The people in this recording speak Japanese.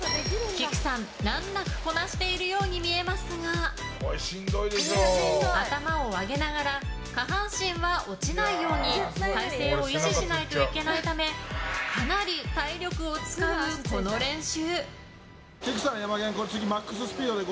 きくさん、難なくこなしているように見えますが頭を上げながら下半身は落ちないように体勢を維持しないといけないためかなり体力を使う、この練習。